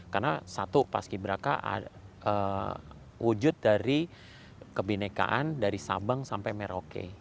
karena satu paski braka wujud dari kebinekaan dari sabang sampai merauke